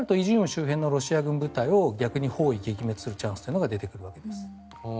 周辺のロシア軍部隊を逆に包囲・撃滅するチャンスが出てくるわけです。